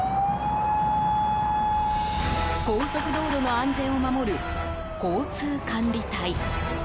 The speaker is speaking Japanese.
高速道路の安全を守る交通管理隊。